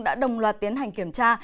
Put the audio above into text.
đã đồng loạt tiến hành kiểm tra